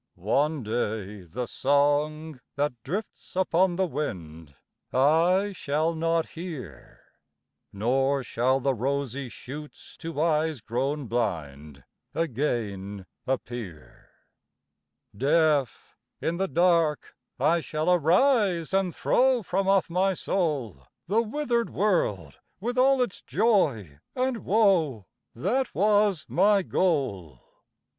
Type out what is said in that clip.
One day the song that drifts upon the wind, I shall not hear; Nor shall the rosy shoots to eyes grown blind Again appear. Deaf, in the dark, I shall arise and throw From off my soul, The withered world with all its joy and woe, That was my goal.